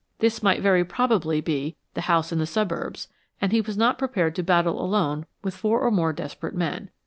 This might very probably be "the house in the suburbs," and he was not prepared to battle alone with four or more desperate men.